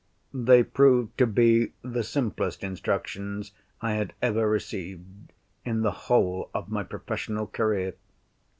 They proved to be the simplest instructions I had ever received in the whole of my professional career.